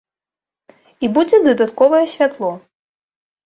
І будзе дадатковае святло.